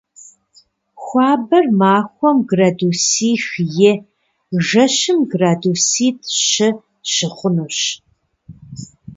Хуабэр махуэм градусих – и, жэщым градуситӏ - щы щыхъунущ.